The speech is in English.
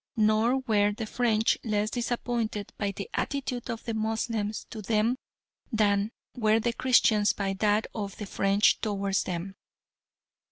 Nor were the French less disappointed by the attitude of the Moslems to them than were the Christians by that of the French towards them.